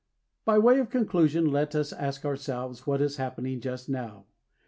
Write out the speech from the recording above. By way of conclusion, let us ask ourselves What is happening just now.